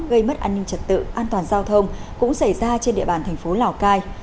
gây mất an ninh trật tự an toàn giao thông cũng xảy ra trên địa bàn thành phố lào cai